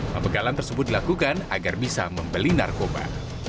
pembegalan tersebut dilakukan agar bisa membeli narkoba